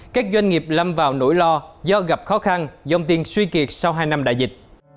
các doanh nghiệp lâm vào nỗi lo do gặp khó khăn dòng tiền suy kiệt sau hai năm đại dịch